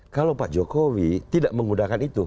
kalau pak jokowi tidak menggunakan itu